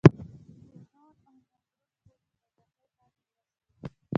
چې فرعون او نمرود غوندې پاچاهۍ پاتې نه شوې.